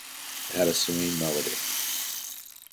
It had a serene melody.